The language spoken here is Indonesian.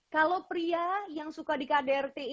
kalau pria yang suka di kdrti